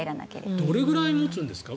どれぐらい持つんですか？